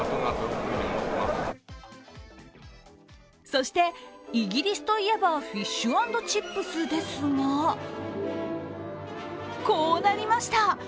そして、イギリスといえばフィッシュ＆チップスですがこうなりました。